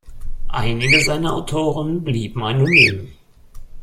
Einige seiner Autoren blieben anonym.